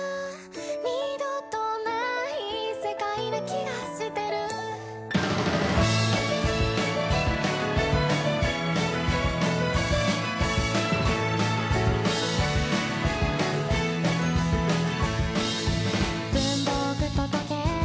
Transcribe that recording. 「二度とない世界な気がしてる」「文房具と時計